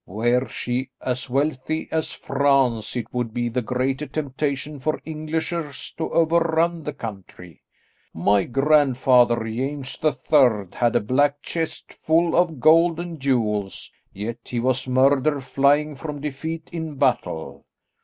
Were she as wealthy as France it would be the greater temptation for Englishers to overrun the country. My grandfather, James the Third, had a black chest full of gold and jewels, yet he was murdered flying from defeat in battle.